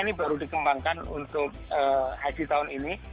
ini baru dikembangkan untuk haji tahun ini